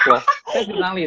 saya juga jurnalis